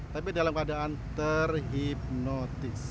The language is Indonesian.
tapi dalam keadaan terhipnotis